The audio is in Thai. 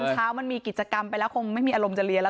เช้ามันมีกิจกรรมไปแล้วคงไม่มีอารมณ์จะเรียนแล้ว